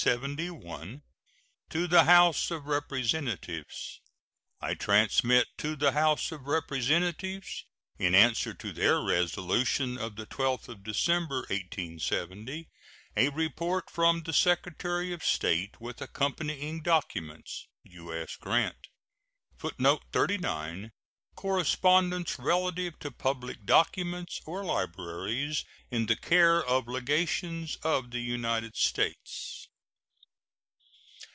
To the House of Representatives: I transmit to the House of Representatives, in answer to their resolution of the 12th of December, 1870, a report from the Secretary of State, with accompanying documents. U.S. GRANT. [Footnote 39: Correspondence relative to public documents or libraries in the care of legations of the United States.